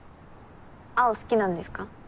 青好きなんですか？